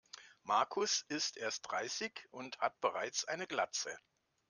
Markus ist erst dreißig und hat bereits eine Glatze.